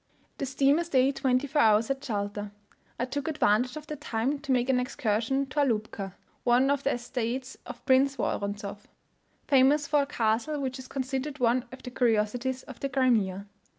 The steamer stayed twenty four hours at Jalta. I took advantage of the time to make an excursion to Alupka, one of the estates of Prince Woronzoff, famous for a castle which is considered one of the curiosities of the Crimea.